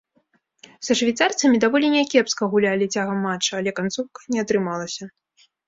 Са швейцарцамі даволі някепска гулялі цягам матча, але канцоўка не атрымалася.